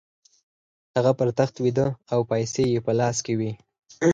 هغه پر تخت ویده او پیسې یې په لاس کې وې